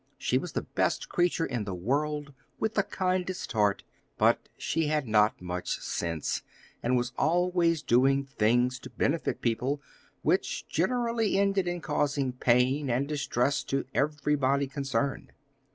She was the best creature in the world, with the kindest heart; but she had not much sense, and was always doing things, to benefit people, which generally ended in causing pain and distress to everybody concerned.